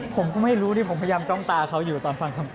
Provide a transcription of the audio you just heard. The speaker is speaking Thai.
ผมก็ไม่รู้ที่ผมพยายามจ้องตาเขาอยู่ตอนฟังคำตอบ